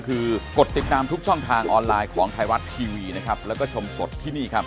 ตื่นมาแล้วก็เจออ่าวของหายตอนนั้นกี่โมงครับ